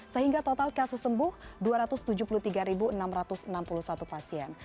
sehingga total kasus sembuh dua ratus tujuh puluh tiga enam ratus enam puluh satu pasien